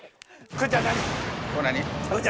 クロちゃん何？